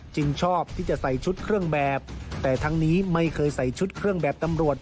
ชอบที่จะใส่ชุดเครื่องแบบแต่ทั้งนี้ไม่เคยใส่ชุดเครื่องแบบตำรวจ